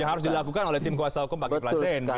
yang harus dilakukan oleh tim kekuasaan hukum pak kiplan zen